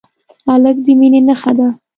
هلک د مینې نښه ده.